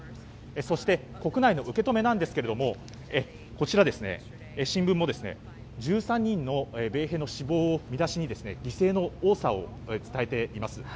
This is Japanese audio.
そして、国内の受け止めですがこちらの新聞も１３人の米兵の死亡を見出しに犠牲の多さを伝えています。